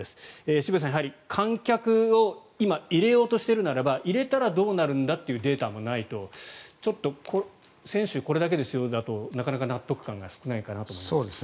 渋谷さん、やはり観客を今、入れようとしているならば入れたらどうなるんだというデータがないと選手、これだけですよだとなかなか納得感が少ないかなと思います。